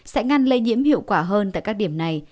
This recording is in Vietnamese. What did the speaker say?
sẽ ngăn lây nhiễm hiệu quả hơn tại các điểm này